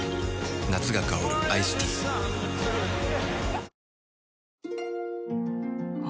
夏が香るアイスティーお？